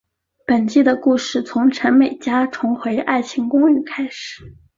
本季的故事从陈美嘉重回爱情公寓开始。